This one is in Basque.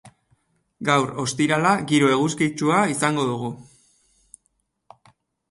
Gaur, ostirala, giro eguzkitsua izango dugu.